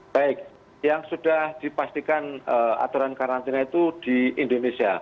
baik yang sudah dipastikan aturan karantina itu di indonesia